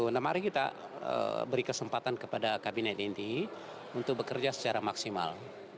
nah mari kita beri kesempatan kepada kabinet ini untuk bekerja secara maksimal